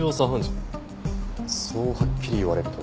そうはっきり言われると。